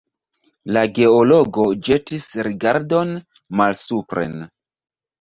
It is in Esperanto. La geologo ĵetis rigardon malsupren.